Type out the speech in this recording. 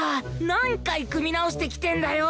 何回くみ直してきてんだよ！